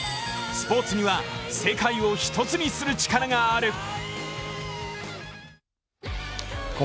スポーツには世界を１つにする力がある。